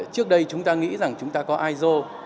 trước đây chúng ta nghĩ rằng chúng ta có iso